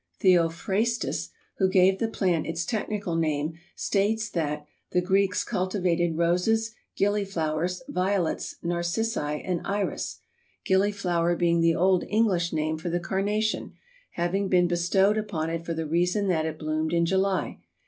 Theophrastus, who gave the plant its technical name, states that "the Greeks cultivated roses, gillie flowers, violets, narcissi and iris," gillie flower being the old English name for the Carnation, having been bestowed upon it for the reason that it bloomed in July.